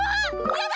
やだ！